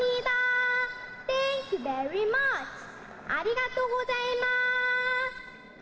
ありがとうございます。